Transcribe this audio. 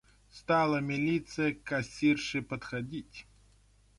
Стала милиция к кассирше подходить.